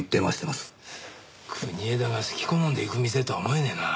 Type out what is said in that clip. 国枝が好き好んで行く店とは思えねえな。